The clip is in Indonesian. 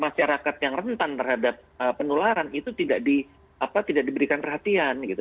masyarakat yang rentan terhadap penularan itu tidak diberikan perhatian gitu